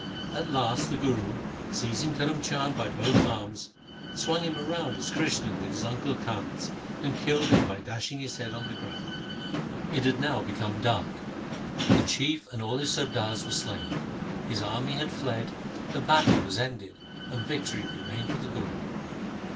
At last the Guru, seizing Karm Chand by both arms, swung him round as Krishan did his uncle Kans, and killed him by dashing his head on the ground. It had now become LIFE OF GURU HAR GOBIND 117 dark. The Chief and all his sardars were slain, his army had fled, the battle was ended, and victory remained with the Guru.